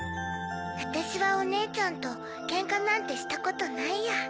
わたしはおねえちゃんとケンカなんてしたことないや。